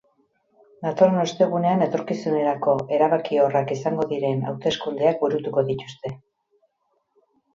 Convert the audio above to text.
Datorren ostegunean etorkizunerako erabakiorrak izango diren hauteskundeak burutuko dituzte.